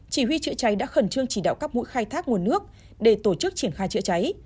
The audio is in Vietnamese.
chỉ huy chữa cháy đã khẩn trương chỉ đạo các mũi khai thác nguồn nước để tổ chức triển khai chữa cháy